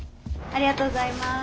ありがとうございます。